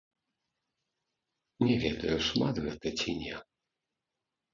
Не ведаю, шмат гэта ці не.